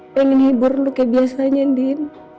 pengen hibur lu kayak biasanya din